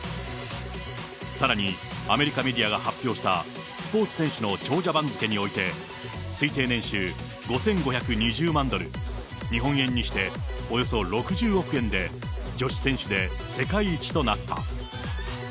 さらに、アメリカメディアが発表した、スポーツ選手の長者番付において、推定年収５５２０万ドル、日本円にしておよそ６０億円で女子選手で世界一となった。